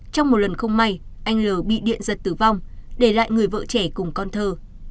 trong một lần không may anh l bị điện giật tử vong để lại người vợ trẻ cùng con thơ